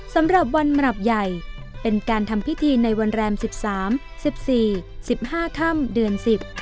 สำหรับวันมรับใหญ่เป็นการทำพิธีในวันแรม๑๓๑๔๑๕ค่ำเดือน๑๐